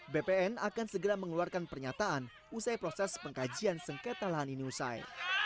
bpn akan segera mengeluarkan pernyataan usai proses pengkajian sengketa lahan ini usai